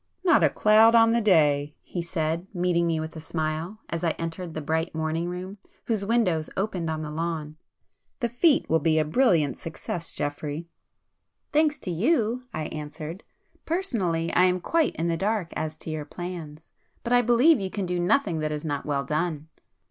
"Not a cloud on the day!" he said, meeting me with a smile, as I entered the bright morning room, whose windows opened on the lawn—"The fête will be a brilliant success, Geoffrey." "Thanks to you!" I answered—"Personally I am quite in the dark as to your plans,—but I believe you can do nothing that is not well done."